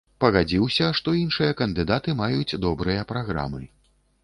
Пагадзіўся, што іншыя кандыдаты маюць добрыя праграмы.